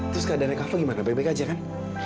terus keadaannya apa gimana baik baik aja kan